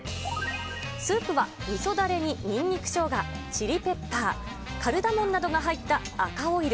スープはみそだれにニンニク、しょうが、チリペッパー、カルダモンなどが入った赤オイル。